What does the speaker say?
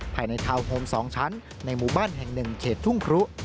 ภายในทาวน์โฮม๒ชั้นในหมู่บ้านแห่ง๑เขตทุ่งครุ